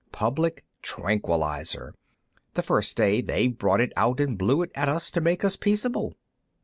"Public tranquilizer. The first day, they brought it out and blew it at us to make us peaceable."